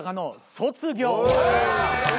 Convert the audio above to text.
「卒業」